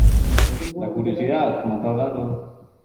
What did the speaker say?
La curiosidad mató al gato.